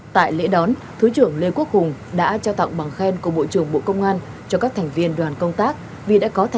tại lễ đón thứ trưởng lê quốc hùng đã trao tặng bằng khen của bộ trưởng bộ công an cho các thành viên đoàn công tác